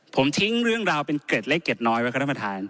ผมทิ้งเรื่องราวเป็นเกร็ดเล็กเกร็ดน้อยไว้ครับท่านประธาน